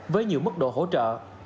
với nhiều mức độ hỗ trợ